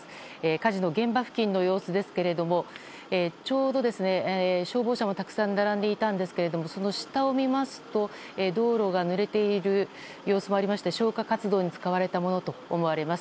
火事の現場付近の様子ですがちょうど消防車もたくさん並んでいたんですがその下を見ますと、道路がぬれている様子もありまして消火活動に使われたものと思われます。